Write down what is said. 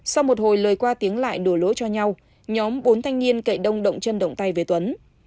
sau một hồi lời qua tiếng lại đổ lỗi cho nhau nhóm bốn thanh niên cậy đông động chân động tay với tuấn